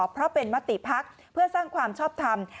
เพราะเป็นมติภักดิ์เพื่อสร้างความชอบทำ